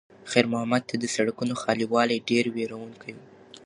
خیر محمد ته د سړکونو خالي والی ډېر وېروونکی و.